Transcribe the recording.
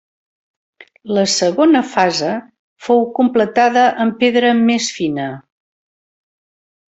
La segona fase fou completada amb pedra més fina.